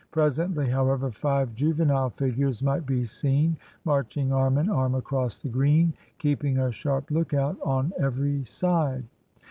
Presently, however, five juvenile figures might be seen marching arm in arm across the Green, keeping a sharp look out on every side.